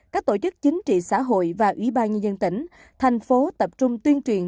các tổ chức chính trị xã hội và ủy ban nhân dân tỉnh thành phố tập trung tuyên truyền